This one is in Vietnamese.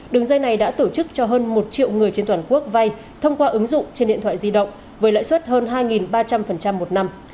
đường dây này đã tổ chức cho hơn một triệu người trên toàn quốc vay thông qua ứng dụng trên điện thoại di động với lãi suất hơn hai ba trăm linh một năm